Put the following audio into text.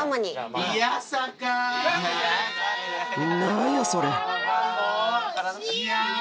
何やそれ？